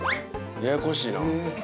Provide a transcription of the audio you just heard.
ややこしいな。